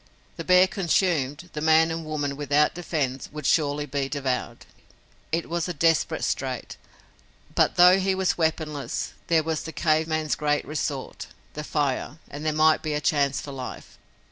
The bear consumed, the man and woman, without defense, would surely be devoured. It was a desperate strait, but, though he was weaponless, there was the cave man's great resort, the fire, and there might be a chance for life.